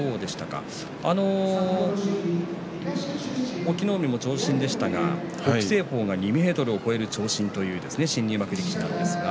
隠岐の海も長身ですが北青鵬も２ｍを超える新入幕力士です。